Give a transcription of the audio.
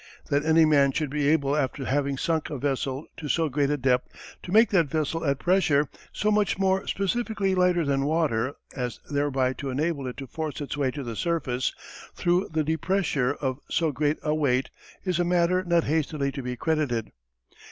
That any man should be able after having sunk a vessel to so great a depth, to make that vessel at pressure, so much more specifically lighter than water, as thereby to enable it to force its way to the surface, through the depressure of so great a weight, is a matter not hastily to be credited.